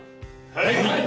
はい。